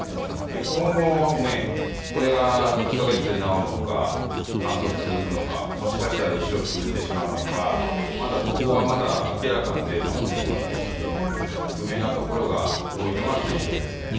今後、これが１カ月で治るのか半年続くのかもしかしたら一生続いてしまうのか、そこはまだ明らかなデータも出ていませんし不明なところが多いのが現状ですね。